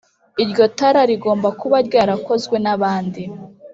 iryo tara rigomba kuba ryarakozwe n’abandi